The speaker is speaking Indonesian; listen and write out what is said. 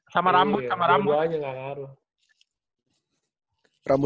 sama rambut sama rambut